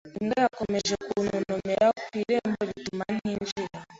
Imbwa yakomeje kuntontomera ku irembo, bituma ntinjira.